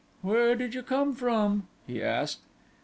"Where did you come from?" he asked.